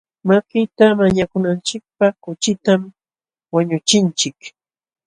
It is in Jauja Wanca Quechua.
Makita mañakunachikpaq kuchitam wañuchinchik.